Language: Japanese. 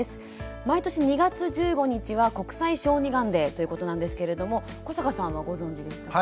毎年２月１５日は国際小児がんデーということなんですけれども古坂さんはご存じでしたか？